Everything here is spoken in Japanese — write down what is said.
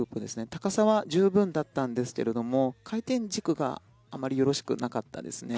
高さは十分だったんですが回転軸があまりよくなかったですね。